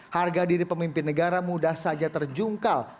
harga diri pemimpin negara mudah saja terjungkal